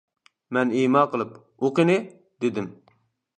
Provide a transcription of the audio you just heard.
مەن ئىما قىلىپ، «ئۇ قېنى» دېدىم.